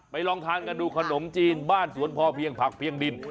ลองทานกันดูขนมจีนบ้านสวนพอเพียงผักเพียงดิน